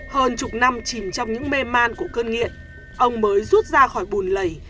hơn chục năm chìm trong những mê man của cơn nghiện ông mới rút ra khỏi bùn lầy